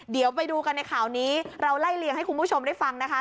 เดี๋ยวไปดูกันในข่าวนี้เราไล่เลี่ยงให้คุณผู้ชมได้ฟังนะคะ